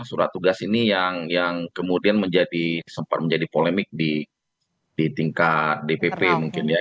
surat tugas ini yang kemudian sempat menjadi polemik di tingkat dpp mungkin ya